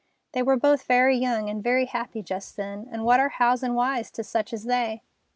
They were both very young and very happy just then, and what are hows and whys to such as they?